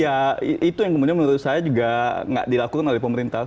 ya itu yang kemudian menurut saya juga tidak dilakukan oleh pemerintah